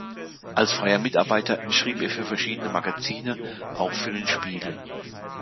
Als freier Mitarbeiter schrieb er für verschiedene Magazine, auch für den Spiegel.